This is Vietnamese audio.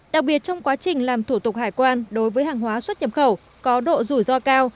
đặc biệt trong quá trình làm thủ tục hải quan đối với hàng hóa xuất nhập khẩu có độ rủi ro cao